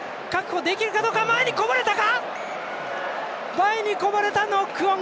前にこぼれた、ノックオン。